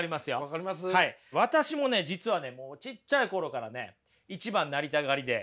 私もね実はねちっちゃい頃からね一番なりたがりで。